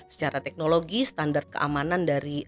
secara teknologi standar keamanan dari